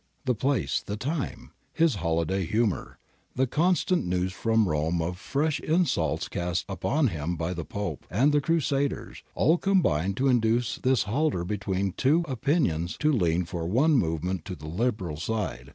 ^ The place, the time, his holiday humour, the constant news from Rome of fresh insults cast upon him by the Pope and the * cru saders,' all combined to induce this halter between two opinions to lean for one moment to the Liberal side.